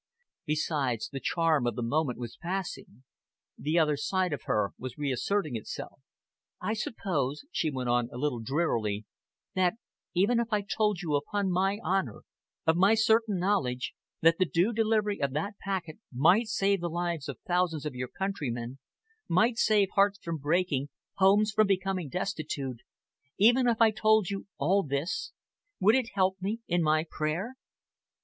Besides, the charm of the moment was passing. The other side of her was reasserting itself. "I suppose," she went on, a little drearily, "that even if I told you upon my honour, of my certain knowledge, that the due delivery of that packet might save the lives of thousands of your countrymen, might save hearts from breaking, homes from becoming destitute even if I told you all this, would it help me in my prayer?"